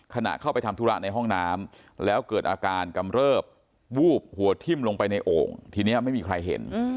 ขณะเข้าไปทำธุระในห้องน้ำแล้วเกิดอาการกำเริบวูบหัวทิ้มลงไปในโอ่งทีนี้ไม่มีใครเห็น